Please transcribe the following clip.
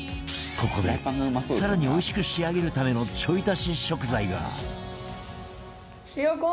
ここで更においしく仕上げるためのちょい足し食材が